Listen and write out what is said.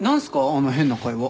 あの変な会話。